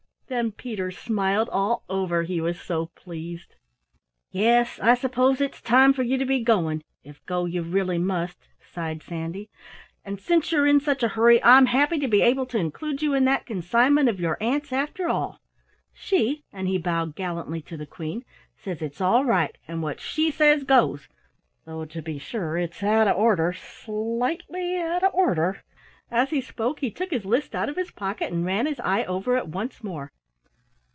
Then Peter smiled all over, he was so pleased. "Yes, I suppose it's time for you to be going, if go you really must," sighed Sandy. "And since you're in such a hurry, I'm happy to be able to include you in that consignment of your aunt's after all. She" and he bowed gallantly to the Queen "says it's all right, and what she says goes, though to be sure, it's out of order, slightly out of order!" As he spoke he took his list out of his pocket and ran his eye over it once more.